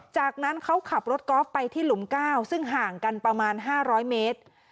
จากนั้นเขาขับรถกอล์ฟไปที่หลุม๙ซึ่งห่างกันประมาณ๕๐๐เมตร